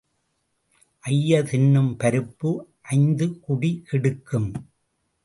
ஐயர் தின்னும் பருப்பு ஐந்து குடி கெடுக்கும்.